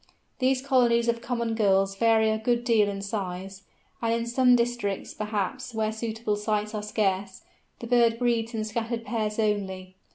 These colonies of Common Gulls vary a good deal in size; and in some districts, perhaps where suitable sites are scarce, the bird breeds in scattered pairs only.